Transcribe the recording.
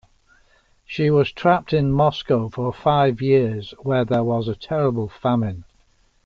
She was trapped in Moscow for five years, where there was a terrible famine.